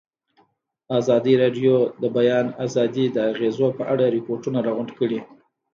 ازادي راډیو د د بیان آزادي د اغېزو په اړه ریپوټونه راغونډ کړي.